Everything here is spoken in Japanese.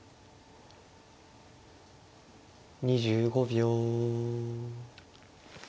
２５秒。